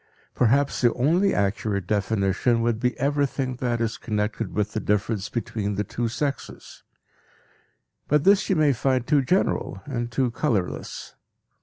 Perhaps the only accurate definition would be everything that is connected with the difference between the two sexes; but this you may find too general and too colorless.